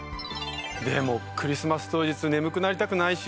でもクリスマス当日眠くなりたくないし。